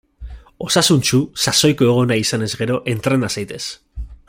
Osasuntsu, sasoiko egon nahi izanez gero; entrena zaitez!